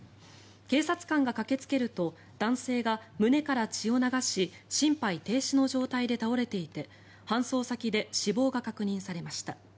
警察官が駆けつけると男性が胸から血を流し心肺停止の状態で倒れていて搬送先で死亡が確認されました。